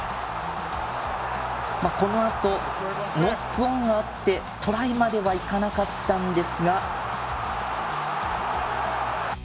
このあと、ノックオンがあってトライまではいかなかったんですが。